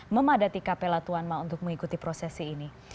memadati kapela tuan ma untuk mengikuti prosesi ini